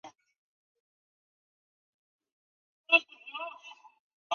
我怕会等很久